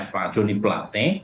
pak joni pelate